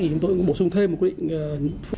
chúng tôi bổ sung thêm một quy định